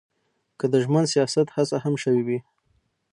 که د ژمن سیاست هڅه هم شوې وي.